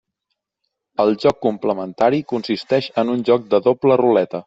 El joc complementari consisteix en un joc de doble ruleta.